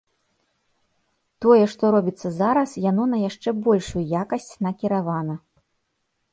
Тое, што робіцца зараз, яно на яшчэ большую якасць накіравана.